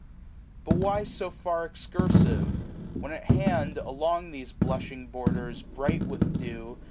But why so far excursive ? when at hand. Along these blushing borders, bright with dew.